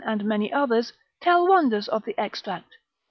and many others, tell wonders of the extract.